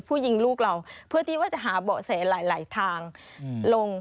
ยิงลูกเราเพื่อที่ว่าจะหาเบาะแสหลายทางลง